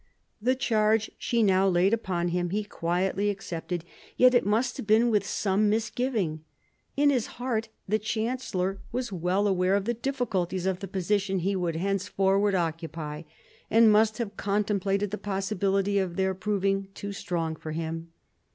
The charge she now laid upon him he quietly accepted ; yet it must have been with some misgiving. In his heart the chancellor was well aware y 204 MARIA THERESA chap, ix of the difficulties of the position he would henceforward occupy, and must have contemplated the possibility of their proving too strong for him.